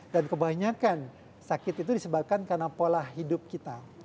dan kebanyakan sakit itu disebabkan karena pola hidup kita